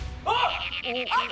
あっ！